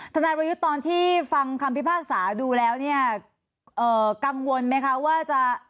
ทนายวรยุทธ์ตอนที่ฟังคำพิพากษาดูแล้วเนี่ยกังวลไหมคะว่าจะ